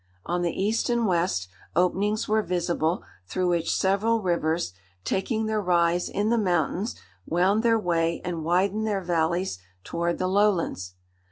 On the east and west, openings were visible, through which several rivers, taking their rise in the mountains, wound their way and widened their valleys toward the lowlands.